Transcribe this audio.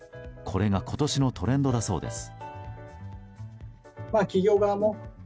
これが今年のトレンドだそうです。